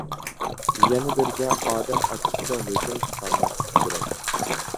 يەنە بىرگە، ئادەم ئاچچىقىدا ھۆكۈم چىقارماسلىق كېرەك.